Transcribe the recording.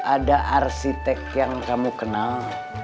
ada arsitek yang kamu kenal